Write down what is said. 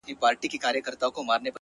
خو دې به سمعې څو دانې بلــــي كړې ـ